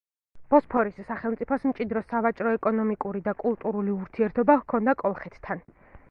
ბოსფორის სახელმწიფოს მჭიდრო სავაჭრო-ეკონომიკური და კულტურული ურთიერთობა ჰქონდა კოლხეთთან.